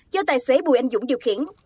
do tài xế bùi anh dũng điều khiển